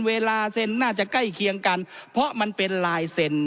เวลาเซ็นน่าจะใกล้เคียงกันเพราะมันเป็นลายเซ็น